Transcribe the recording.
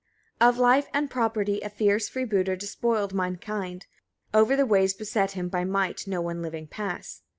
Of life and property a fierce freebooter despoiled mankind; over the ways beset by him might no one living pass.